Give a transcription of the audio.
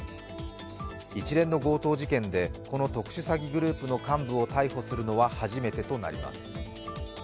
一連の強盗事件でこの特殊詐欺グループの幹部を逮捕するのは初めてとなります。